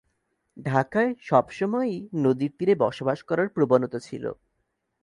ঢাকায় সবসময়ই নদীর তীরে বসবাস করার প্রবণতা ছিল।